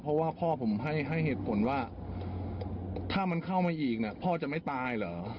เพราะว่าพ่อผมให้เหตุผลว่าถ้ามันเข้ามาอีกพ่อจะไม่ตายเหรอ